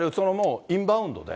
インバウンドで。